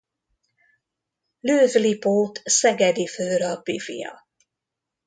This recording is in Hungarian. Lőw Lipót szegedi főrabbi fia.